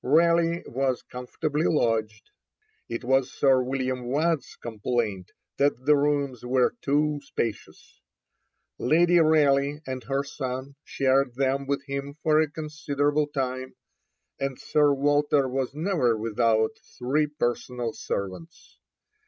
Raleigh was comfortably lodged; it was Sir William Waad's complaint that the rooms were too spacious. Lady Raleigh and her son shared them with him for a considerable time, and Sir Walter was never without three personal servants.